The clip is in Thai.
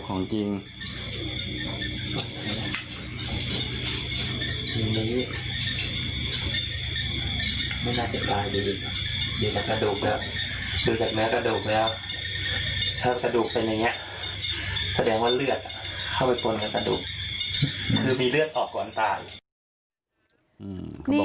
หึคือมีเลือดออกไปไหม